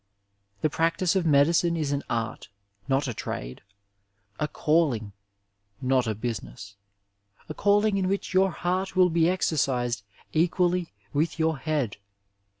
The practice of medicine is an art, not a trade; a calling, not a business; a calling in which your heart will be exercised equally with your head.